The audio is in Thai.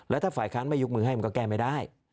แล้วถ้าฝ่ายค้านไม่ยกมือให้มันก็แก้ไม่ได้